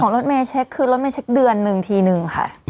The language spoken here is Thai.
รถเมย์เช็คคือรถเมเช็คเดือนหนึ่งทีนึงค่ะ